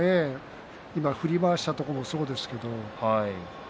振りましたところもそうですけど。